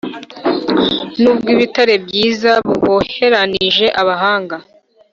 N ubw ibitare byiza buboheranije abahanga